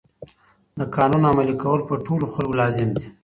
د قانون عملي کول په ټولو خلګو لازم دي.